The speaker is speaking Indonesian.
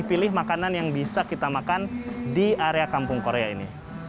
pilih makanan yang bisa kita makan di area kampung korea ini